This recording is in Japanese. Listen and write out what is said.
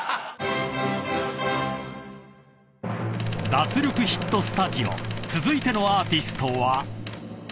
［脱力ヒットスタジオ続いてのアーティストは］